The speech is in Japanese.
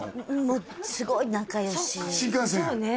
もうすごい仲良しそうね